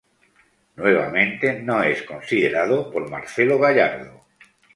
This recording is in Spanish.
Nuevamente no es considerado por Marcelo Gallardo.